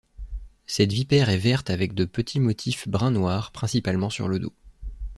Cette vipère est verte avec de petits motifs brun-noir principalement sur le dos.